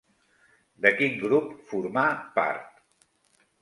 De quin grup formà part?